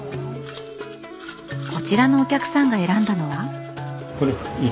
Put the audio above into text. こちらのお客さんが選んだのは。